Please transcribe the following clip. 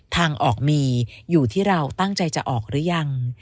ทางออกมีอยู่ที่เราตั้งใจจะออกหรือยัง